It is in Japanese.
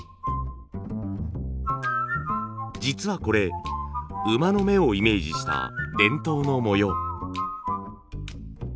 実はこれ馬の目をイメージした伝統の模様。